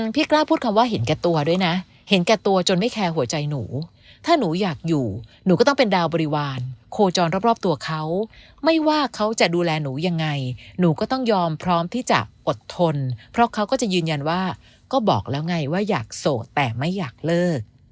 พี่กล้าพูดคำว่าเห็นแก่ตัวด้วยนะเห็นแก่ตัวจนไม่แคร์หัวใจหนูถ้าหนูอยากอยู่หนูก็ต้องเป็นดาวบริวารโคจรรอบตัวเขาไม่ว่าเขาจะดูแลหนูยังไงหนูก็ต้องยอมพร้อมที่จะอดทนเพราะเขาก็จะยืนยันว่าก็บอกแล้วไงว่าอยากโสดแต่ไม่อยากเลิก